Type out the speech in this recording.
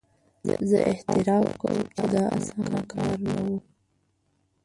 زه اعتراف کوم چې دا اسانه کار نه وو.